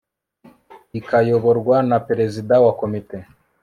ikayoborwa na prezida wa komite